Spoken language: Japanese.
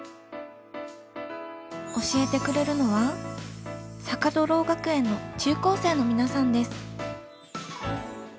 教えてくれるのは坂戸ろう学園の中高生の皆さんです。